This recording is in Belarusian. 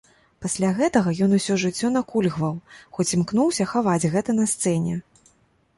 Пасля гэтага ён усё жыццё накульгваў, хоць імкнуўся хаваць гэта на сцэне.